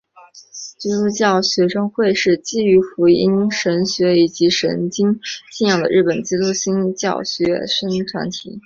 基督教徒学生会是基于福音神学以及圣经信仰的日本基督新教学生团体。